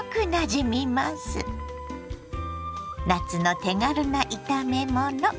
夏の手軽な炒めもの。